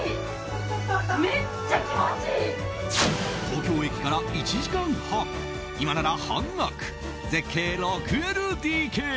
東京駅から１時間半今なら半額、絶景６ＬＤＫ。